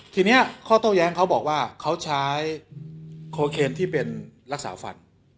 ทีนี้ข้อโต้แย้งเขาบอกว่าเขาใช้โคเคนที่เป็นรักษาฟัน